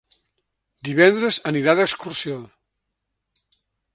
Divendres anirà d'excursió.